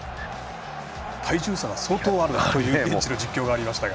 体重差が相当あるという実況がありましたが。